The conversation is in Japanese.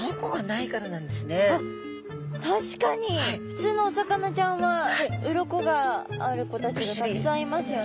ふつうのお魚ちゃんは鱗がある子たちがたくさんいますよね。